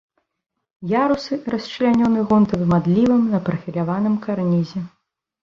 Ярусы расчлянёны гонтавым адлівам на прафіляваным карнізе.